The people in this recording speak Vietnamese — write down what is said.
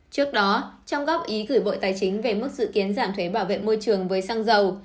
trước đó trong góp ý gửi bộ tài chính về mức dự kiến giảm thuế bảo vệ môi trường với xăng dầu